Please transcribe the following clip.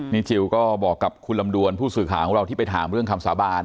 นี่จิลก็บอกกับคุณลำดวนผู้สื่อข่าวของเราที่ไปถามเรื่องคำสาบาน